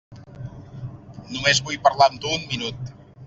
Només vull parlar amb tu un minut.